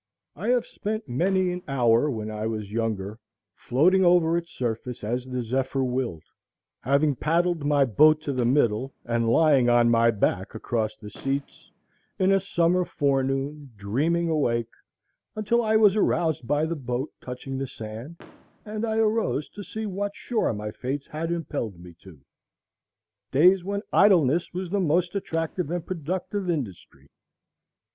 I have spent many an hour, when I was younger, floating over its surface as the zephyr willed, having paddled my boat to the middle, and lying on my back across the seats, in a summer forenoon, dreaming awake, until I was aroused by the boat touching the sand, and I arose to see what shore my fates had impelled me to; days when idleness was the most attractive and productive industry.